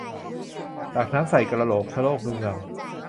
ตักน้ำใส่กะโหลก ชะโงกดูเงา